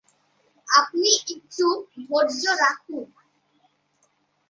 আপনি একটু ধৈর্য্য রাখুন।